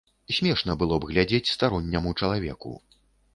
Смешна было б глядзець старонняму чалавеку.